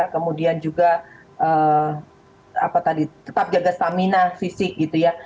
kemudian juga apa tadi tetap jaga stamina fisik gitu ya